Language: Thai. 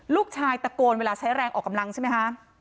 ลูกชายตะโกนเวลาใช้แรงออกกำลังใช่ไหมคะ